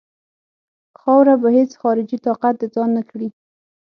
خاوره به هیڅ خارجي طاقت د ځان نه کړي.